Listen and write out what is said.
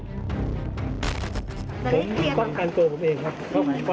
ผมพักทั้งตัวผมเองครับเพราะเล็งปืนไปที่ผม